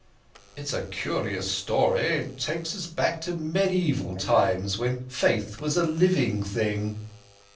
"It's a curious story; it carries us back to medieval times, when faith was a living thing!"